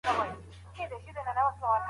افغانستان په دې برخه کې ښه فرصت لري.